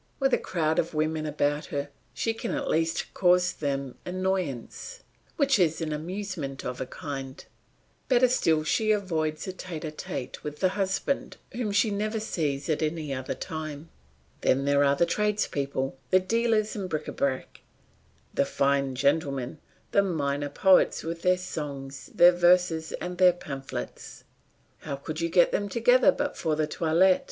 With a crowd of women about her, she can at least cause them annoyance, which is amusement of a kind; better still she avoids a tete a tete with the husband whom she never sees at any other time; then there are the tradespeople, the dealers in bric a brac, the fine gentlemen, the minor poets with their songs, their verses, and their pamphlets; how could you get them together but for the toilet.